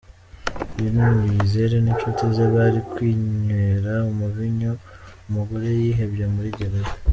Lin Muyizere n’inshuti ze bari kwinywera umuvinyo, umugore yihebye muri gereza